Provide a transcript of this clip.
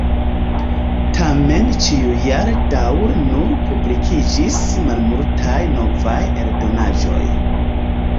Tamen ĉiujare daŭre nur publikiĝis malmultaj novaj eldonaĵoj.